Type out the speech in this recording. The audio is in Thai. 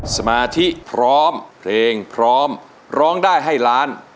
สมาธิพร้อมเพลงพร้อมร้องได้ให้ล้าน